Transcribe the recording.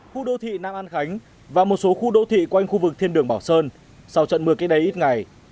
khu đô thị nam an khánh và một số khu đô thị quanh khu vực thiên đường bảo sơn sau trận mưa cách đây ít ngày